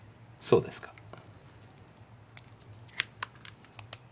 そうですか。